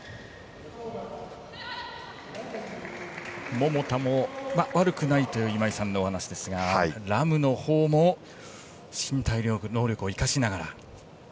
桃田も悪くないという今井さんのお話ですがラムのほうも身体能力を生かしながら。